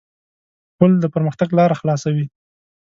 پُل د پرمختګ لاره خلاصوي.